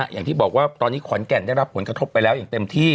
อย่างที่บอกว่าตอนนี้ขอนแก่นได้รับผลกระทบไปแล้วอย่างเต็มที่